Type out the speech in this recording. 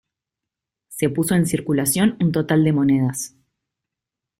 Se puso en circulación un total de monedas.